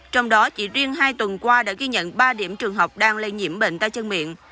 trong đó chỉ riêng hai tuần qua đã ghi nhận ba điểm trường học đang lây nhiễm bệnh tay chân miệng